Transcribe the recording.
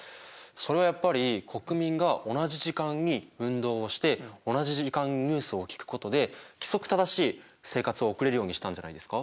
それはやっぱり国民が同じ時間に運動をして同じ時間にニュースを聞くことで規則正しい生活を送れるようにしたんじゃないですか？